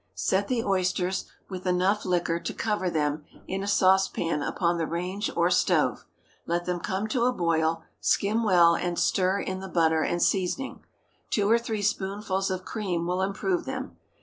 Set the oysters, with enough liquor to cover them, in a saucepan upon the range or stove; let them come to a boil; skim well, and stir in the butter and seasoning. Two or three spoonsful of cream will improve them.